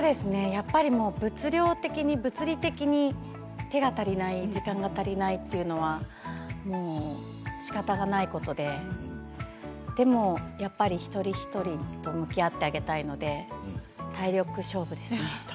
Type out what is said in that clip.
やっぱり物量的に物理的に手が足りない時間が足りないというのはしかたがないことででもやっぱり一人一人と向き合ってあげたいので体力勝負ですね。